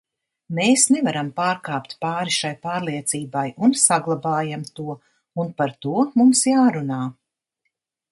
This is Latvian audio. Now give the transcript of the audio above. Mēs nevaram pārkāpt pāri šai pārliecībai un saglabājam to, un par to mums jārunā.